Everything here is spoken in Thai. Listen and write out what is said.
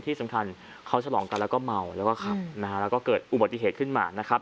ที่สำคัญที่สำคัญก็เกิดเกิดอุบัติเหตุขึ้นมานะครับ